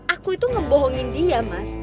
aku itu ngebohongin dia mas